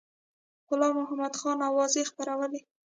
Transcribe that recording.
غلام محمدخان اوازې خپرولې.